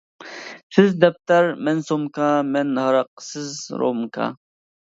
سىز دەپتەر مەن سومكا، مەن ھاراق سىز رومكا.